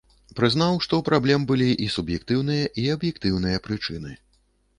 Прызнаў, што ў праблем былі і суб'ектыўныя, і аб'ектыўныя прычыны.